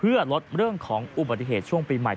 เพื่อลดเรื่องของอุบัติเหตุช่วงปีใหม่